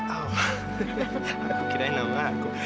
oh aku kirain nama aku